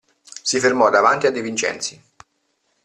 Si fermò davanti a De Vincenzi.